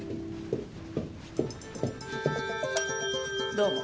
どうも。